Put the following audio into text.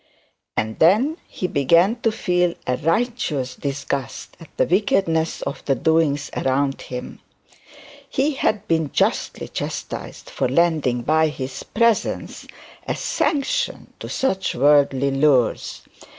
And then he began to feel a righteous disgust at the wickedness of the doings around him. He had been justly chastised for lending, by his presence, a sanction to such worldly lures.